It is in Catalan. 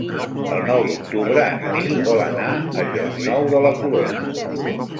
El nou d'octubre en Nil vol anar a Llocnou de la Corona.